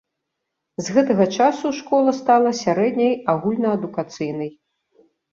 З гэтага часу школа стала сярэдняй агульнаадукацыйнай.